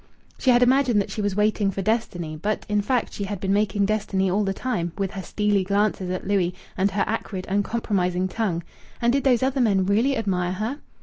She had imagined that she was waiting for destiny, but in fact she had been making destiny all the time, with her steely glances at Louis and her acrid, uncompromising tongue!... And did those other men really admire her?